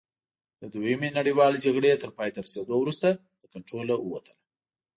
د دویمې نړیوالې جګړې تر پایته رسېدو وروسته له کنټروله ووتله.